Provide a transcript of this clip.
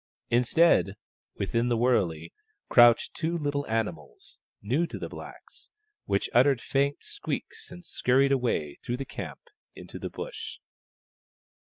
Instead, within the wurley crouched two little animals, new to the blacks, which uttered faint squeaks and scurried away through the camp into the Bush.